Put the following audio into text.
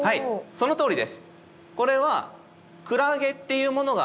そのとおりです。